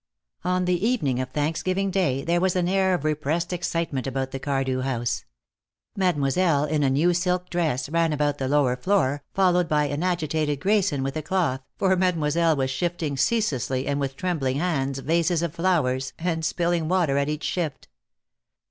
On the evening of Thanksgiving Day there was an air of repressed excitement about the Cardew house. Mademoiselle, in a new silk dress, ran about the lower floor, followed by an agitated Grayson with a cloth, for Mademoiselle was shifting ceaselessly and with trembling hands vases of flowers, and spilling water at each shift.